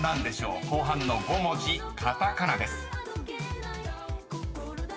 ［後半の５文字カタカナです］